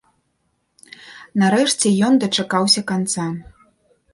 Нарэшце ён дачакаўся канца.